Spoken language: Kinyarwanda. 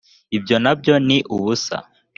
ibyo na byo ni ubusa